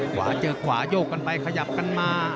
ขวาเจอขวาโยกกันไปขยับกันมา